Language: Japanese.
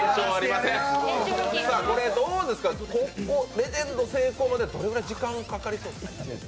レジェンド成功までどのくらい時間がかかりそうですか？